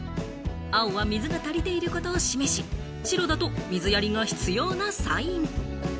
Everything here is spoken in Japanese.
青は水が足りていることを示し、白だと水やりが必要なサイン。